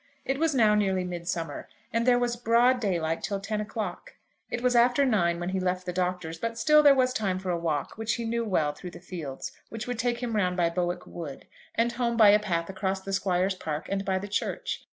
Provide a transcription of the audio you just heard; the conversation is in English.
It was now nearly midsummer, and there was broad daylight till ten o'clock. It was after nine when he left the Doctor's, but still there was time for a walk which he knew well through the fields, which would take him round by Bowick Wood, and home by a path across the squire's park and by the church.